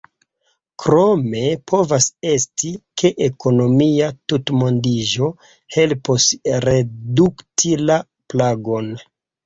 Krome povas esti, ke ekonomia tutmondiĝo helpos redukti la plagon.